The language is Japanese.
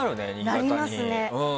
なりますね。